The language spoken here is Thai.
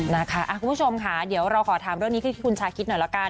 นะคะคุณผู้ชมค่ะเดี๋ยวเราขอถามเรื่องนี้ที่คุณชาคิดหน่อยละกัน